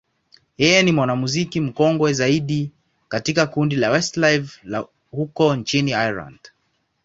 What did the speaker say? yeye ni mwanamuziki mkongwe zaidi katika kundi la Westlife la huko nchini Ireland.